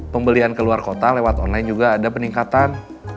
pembelian ke luar kota lewat online juga ada peningkatan